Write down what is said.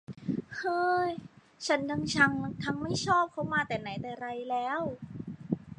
เฮ่อ ฉันทั้งชังทั้งไม่ชอบเขามาแต่ไหนแต่ไรแล้ว